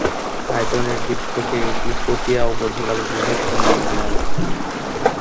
আয়তনের দিক থেকে এটি পটিয়া উপজেলার বৃহত্তম ইউনিয়ন।